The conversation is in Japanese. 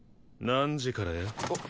何時からや？